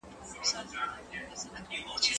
زه پرون لاس مينځلی و!